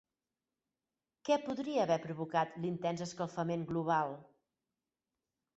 Què podria haver provocat l'intens escalfament global?